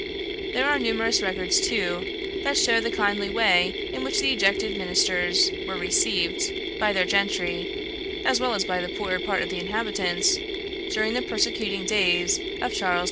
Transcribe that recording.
There are numerous records, too, that show the kindly way in which the ejected ministers were received by the gentry, as well as by the poorer part of the inhabitants, during the persecuting days of Charles II.